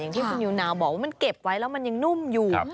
ที่คุณนิวนาวบอกว่ามันเก็บไว้แล้วมันยังนุ่มอยู่